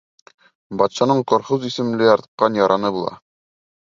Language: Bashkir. Батшаның Корхуз исемле яратҡан яраны була.